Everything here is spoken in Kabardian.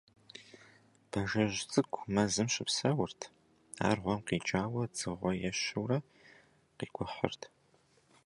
Бажэжь цӀыкӀу мэзым щыпсэурт. Ар гъуэм къикӀауэ дзыгъуэ ещэурэ къикӀухьырт.